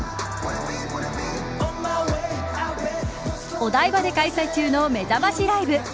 お台場で開催中のめざましライブ。